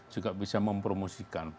juga bisa mempromosikan